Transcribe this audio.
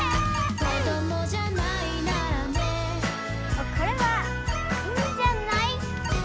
これはいいんじゃない？